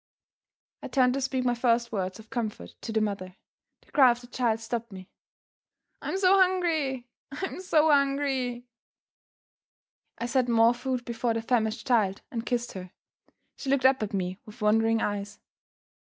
I turned to speak my first words of comfort to the mother. The cry of the child stopped me. "I'm so hungry! I'm so hungry!" I set more food before the famished child and kissed her. She looked up at me with wondering eyes.